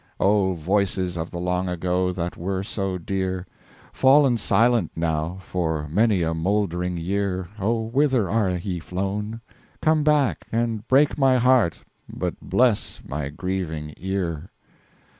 O Voices of the Long Ago that were so dear! Fall'n Silent, now, for many a Mould'ring Year, O whither are ye flown? Come back, And break my heart, but bless my grieving ear.